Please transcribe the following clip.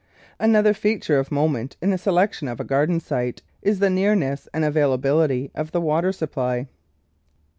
Another feature of moment in the selection of a garden site is the nearness and availability of the water supply.